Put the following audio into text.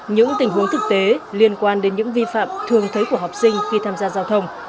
những tình huống thực tế liên quan đến những vi phạm thường thấy của học sinh khi tham gia giao thông